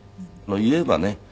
言えばね